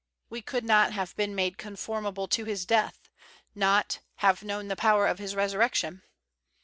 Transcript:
We could not have been "made conformable to His death," not "have known the power of His resurrection.